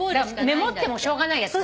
メモってもしょうがないやつ。